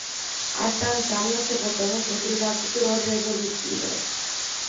Asta înseamnă să votăm împotriva tuturor rezoluțiilor.